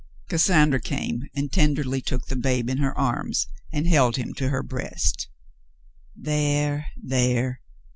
Cassandra came and tenderly took the babe in her arms and held him to her breast. "There, there.